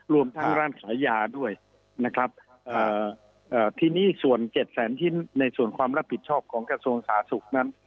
รวมทั้งร่างฉายาด้วยนะครับทีนี้ส่วน๗แสนชิ้นในส่วนความรับผิดชอบของกระทรวงสาธารณสุขนั้น